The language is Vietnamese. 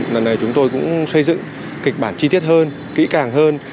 lần này chúng tôi cũng xây dựng kịch bản chi tiết hơn kỹ càng hơn